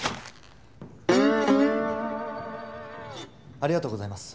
ありがとうございます。